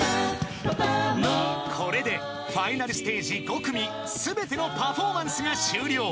［これでファイナルステージ５組全てのパフォーマンスが終了］